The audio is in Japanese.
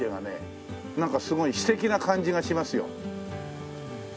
なんかすごい詩的な感じがしますよ。